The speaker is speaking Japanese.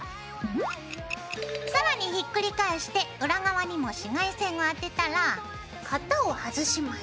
更にひっくり返して裏側にも紫外線を当てたら型を外します。